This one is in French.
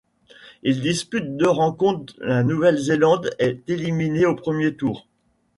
Il dispute deux rencontres, la Nouvelle-Zélande est éliminée au premier tour.